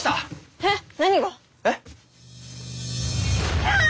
えっ？何が？えっ？きゃ！